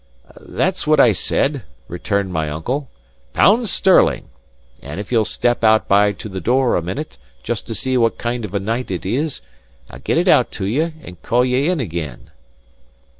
"That's what I said," returned my uncle: "pounds sterling! And if you'll step out by to the door a minute, just to see what kind of a night it is, I'll get it out to ye and call ye in again."